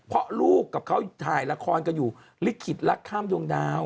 เพราะลูกกับเขาถ่ายละครกันอยู่ลิขิตรักข้ามดวงดาว